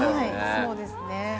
そうですね。